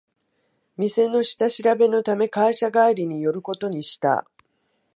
店の下調べのため会社帰りに寄ることにした